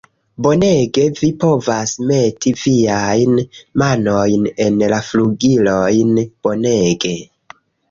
Bonege, vi povas meti viajn manojn en la flugilojn. Bonege!